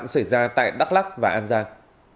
xảy ra tại đắk lắc và an giang